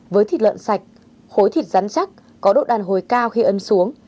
với thịt lợn sạch khối thịt rắn chắc có độ đàn hồi cao khi ăn xuống